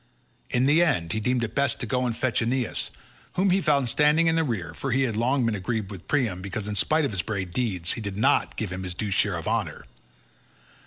In the end, he deemed it best to go and fetch Aeneas, whom he found standing in the rear, for he had long been aggrieved with Priam because in spite of his brave deeds he did not give him his due share of honour.